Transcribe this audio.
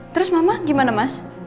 terus mama gimana mas